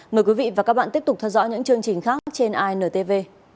mời quý vị và các bạn tiếp tục theo dõi những chương trình khác trên intv